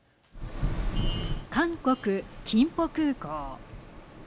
韓国、キンポ空港。